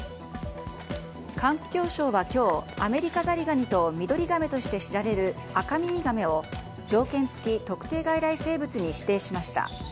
環境省は今日アメリカザリガニとミドリガメとして知られるアカミミガメを条件付き特定外来生物に指定しました。